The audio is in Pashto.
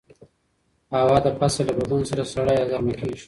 هوا د فصل له بدلون سره سړه یا ګرمه کېږي